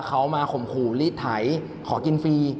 เขามาข่มขู่รีดไถขอกินฟรี